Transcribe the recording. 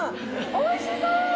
おいしそう！